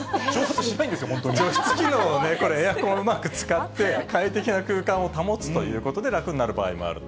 除湿機能をね、エアコンをうまく使って、快適な空間を保つということで楽になる場合もあると。